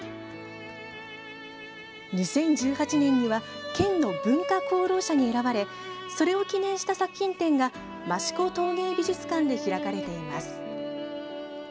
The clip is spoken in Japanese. ２０１８年には県の文化功労者に選ばれそれを記念した作品展が益子陶芸美術館で開かれています。